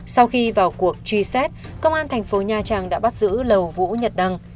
sau khi vào cuộc truy xét công an tp nha trang đã bắt giữ lầu vũ nhật đăng